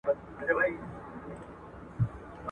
او تمرین پیل کړئ.